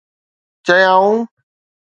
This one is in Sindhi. چيائون